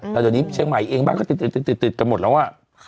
แต่เดี๋ยวนี้เชียงใหม่เองบ้านก็ติดกันหมดแล้วอ่ะ